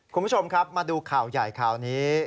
คุณผู้ชมครับมาดูข่าวใหญ่ข่าวนี้